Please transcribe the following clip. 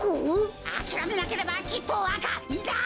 あきらめなければきっとわかいや！